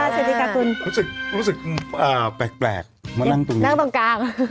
สวัสดีค่ะคุณรู้สึกรู้สึกแปลกมานั่งตรงนี้นั่งตรงกลาง